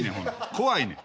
怖いねん。